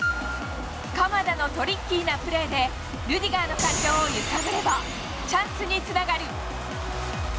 鎌田のトリッキーなプレーで、ルディガーの感情を揺さぶれば、チャンスにつながる。